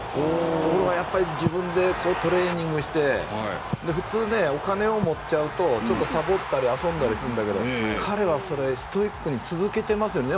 ところがやっぱり自分でトレーニングをして普通ねお金を持っちゃうとちょっとさぼったり遊んだりするんだけど彼はそれストイックに続けてますよね。